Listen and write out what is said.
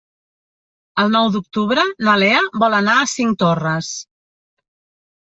El nou d'octubre na Lea vol anar a Cinctorres.